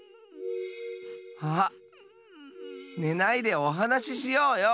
あっねないでおはなししようよ。